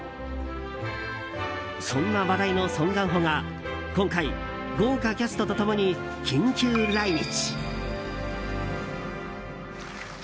そんな話題のソン・ガンホが今回、豪華キャストと共に緊急来日。